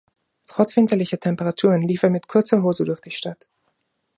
Trotz winterlicher Temperaturen lief er mit kurzer Hose durch die Stadt.